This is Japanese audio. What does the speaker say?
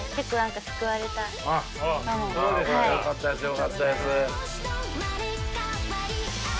よかったです。